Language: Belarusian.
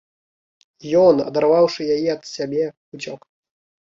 Ён, адарваўшы яе ад сябе, уцёк.